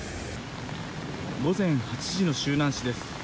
午前８時の周南市です。